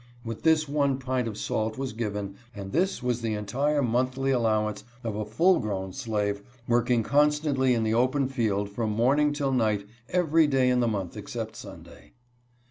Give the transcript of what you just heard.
With this one pint of salt was given, and this was the entire monthly allowance of a full grown slave, working con SLAVE CLOTHING AND HABITS. 63 stantly in the open field from morning till night every day in the month except Sunday.